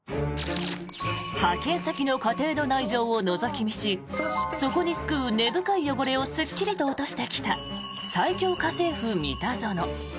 派遣先の家庭の内情をのぞき見しそこに巣くう根深い汚れをすっきりと落としてきた最恐家政夫、三田園。